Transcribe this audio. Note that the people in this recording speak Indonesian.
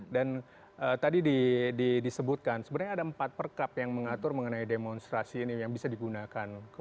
dan tadi disebutkan sebenarnya ada empat perkap yang mengatur mengenai demonstrasi ini yang bisa digunakan